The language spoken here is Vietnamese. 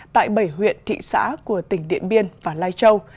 tại bảy huyện thị xã của tỉnh điện biên và nga